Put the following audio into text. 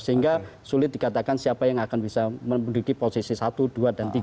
sehingga sulit dikatakan siapa yang akan bisa menduduki posisi satu dua dan tiga